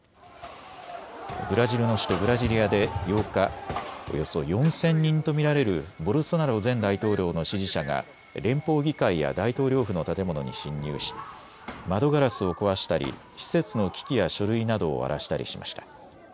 ブラジルの首都ブラジリアで８日、およそ４０００人と見られるボルソナロ前大統領の支持者が連邦議会や大統領府の建物に侵入し窓ガラスを壊したり施設の機器や書類などを荒らしたりしました。